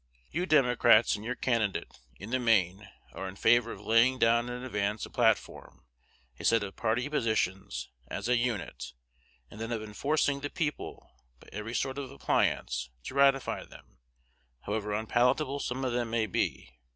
You Democrats and your candidate, in the main, are in favor of laying down in advance a platform, a set of party positions, as a unit; and then of enforcing the people, by every sort of appliance, to ratify them, however unpalatable some of them may be.